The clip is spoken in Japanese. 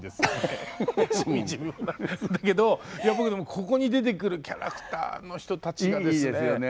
だけどいや僕でもここに出てくるキャラクターの人たちがですね。